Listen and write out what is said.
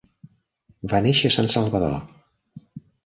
Va néixer a San Salvador.